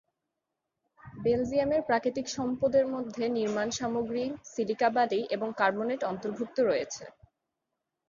বেলজিয়ামের প্রাকৃতিক সম্পদের মধ্যে নির্মাণ সামগ্রী, সিলিকা বালি এবং কার্বনেট অন্তর্ভুক্ত রয়েছে।